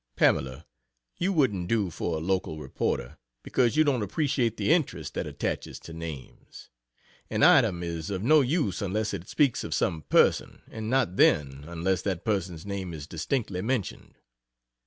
Pamela, you wouldn't do for a local reporter because you don't appreciate the interest that attaches to names. An item is of no use unless it speaks of some person, and not then, unless that person's name is distinctly mentioned.